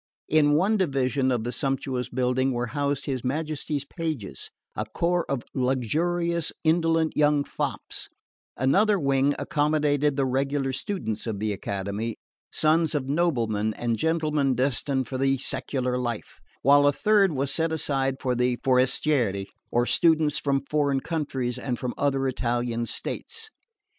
In one division of the sumptuous building were housed his Majesty's pages, a corps of luxurious indolent young fops; another wing accommodated the regular students of the Academy, sons of noblemen and gentlemen destined for the secular life, while a third was set aside for the "forestieri" or students from foreign countries and from the other Italian states.